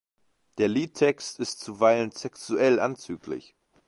Der Liedtext ist zuweilen sexuell anzüglich.